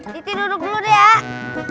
siti duduk dulu deh